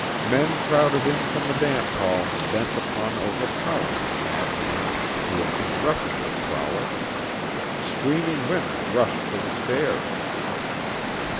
Men crowded in from the dance hall bent upon overpowering the madman who had interrupted their frolic. Screaming women rushed for the stairs.